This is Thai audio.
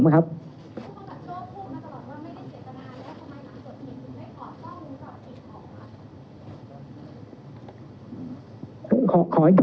ผู้กับโลกพูดมาตลอดว่าไม่ได้เศรษฐานาแล้ว